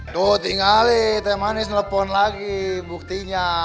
tuh tlng tlng teh manis nelpon lagi buktinya